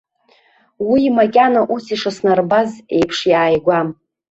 Уи макьана ус ишыснарбоз еиԥш иааигәам.